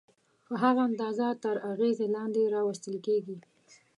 په هغه اندازه تر اغېزې لاندې راوستل کېږي.